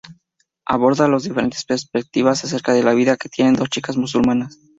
Aborda las diferentes perspectivas acerca de la vida que tienen dos chicas musulmanas.